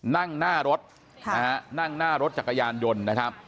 นั่งหน้ารถนั่งหน้ารถจักรยานยนต์นะครับ